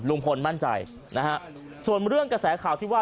ลุงพลมั่นใจนะฮะส่วนเรื่องกระแสข่าวที่ว่า